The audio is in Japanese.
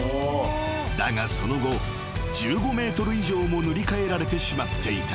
［だがその後１５ｍ以上も塗り替えられてしまっていた］